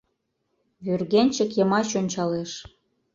Вӱргенчык йымач ончалеш.